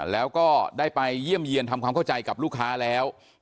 แล้วก็ได้ไปเยี่ยมเยี่ยนทำความเข้าใจกับลูกค้าแล้ว